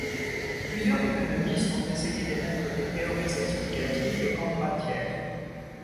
Plusieurs économistes ont essayé d'émettre des théories explicatives de Kondratiev.